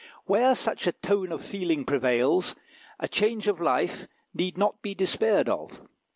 Where such a tone of feeling prevails, a change of life need not be despaired of.